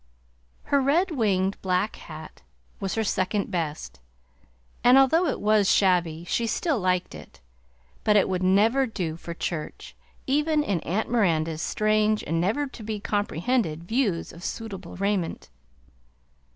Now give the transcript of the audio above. Her red winged black hat was her second best, and although it was shabby she still liked it, but it would never do for church, even in Aunt Miranda's strange and never to be comprehended views of suitable raiment.